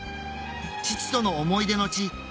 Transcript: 父との思い出の地